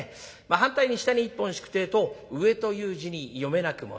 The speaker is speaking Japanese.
反対に下に１本引くってえと上という字に読めなくもない。